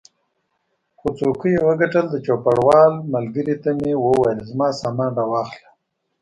خو څوکۍ یې وګټل، د چوپړوال ملګري ته مې وویل زما سامان را واخله.